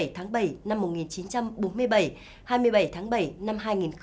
hai mươi tháng bảy năm một nghìn chín trăm bốn mươi bảy hai mươi bảy tháng bảy năm hai nghìn một mươi chín